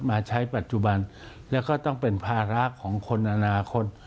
มาใช้ปัจจุบันแล้วก็ต้องเป็นภาระของคนอนาคต